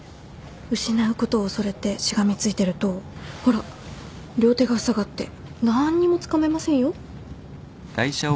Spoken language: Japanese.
失うことを恐れてしがみついてるとほら両手がふさがってなーんにもつかめませんよ。